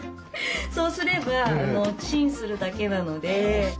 そうすればチンするだけなので。